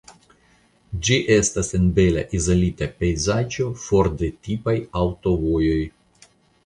Ĝi estas en bela izolita pejzaĝo for de tipaj aŭtovojoj.